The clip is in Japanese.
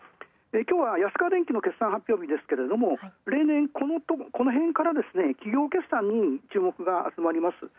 今日は安川電機の決算発表日ですが例年この辺から企業決算に注目が集まります。